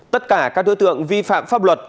tất cả các đối tượng vi phạm pháp luật